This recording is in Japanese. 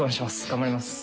頑張ります。